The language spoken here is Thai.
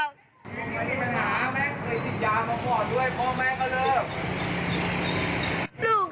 เออแต่พี่ยังอยู่อยู่นี้ได้เลย